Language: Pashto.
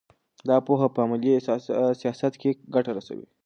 دا پوهه په عملي سیاست کې ګټه رسوي.